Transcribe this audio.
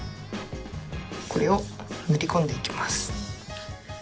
これを塗り込んでいきます。